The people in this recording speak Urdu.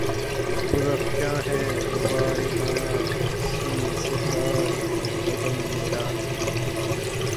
پرافشاں ہے غبار آں سوئے صحرائے عدم میرا